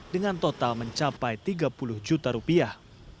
dengan total mencapai tiga puluh juta rupiah